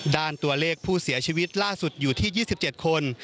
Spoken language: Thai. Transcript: ด้านตัวเลขผู้เสียชีวิตล่าสุดอยู่ที่๒๗คน